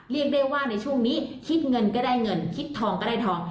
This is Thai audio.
เรียกได้ว่าในช่วงนี้คิดเงินก็ได้เงินคิดทองก็ได้ทอง